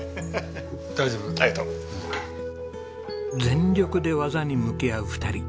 全力で技に向き合う２人。